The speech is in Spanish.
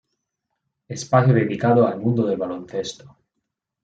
Espacio dedicado al mundo del baloncesto.